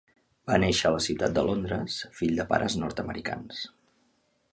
Va néixer a la ciutat de Londres fill de pares nord-americans.